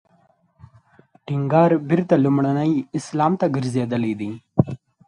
ټینګار بېرته لومړني اسلام ته ګرځېدل دی.